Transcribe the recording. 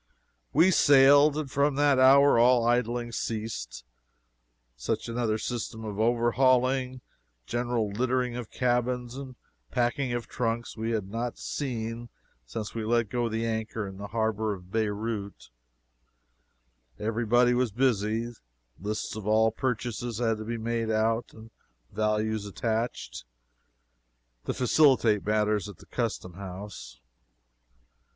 We sailed, and from that hour all idling ceased. Such another system of overhauling, general littering of cabins and packing of trunks we had not seen since we let go the anchor in the harbor of Beirout. Every body was busy. Lists of all purchases had to be made out, and values attached, to facilitate matters at the custom house.